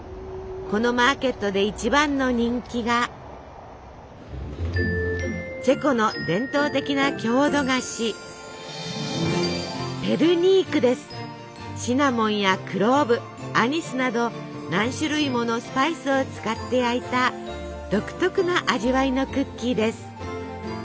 このマーケットで一番の人気がチェコの伝統的な郷土菓子シナモンやクローブアニスなど何種類ものスパイスを使って焼いた独特な味わいのクッキーです。